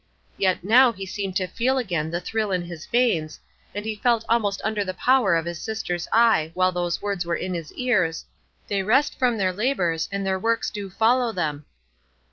Yet now he seemed to feel again the thrill in his veins, and he felt almost under the power of his sister's eye while those words were in his ears: "They rest from their labors, and their works do follow them."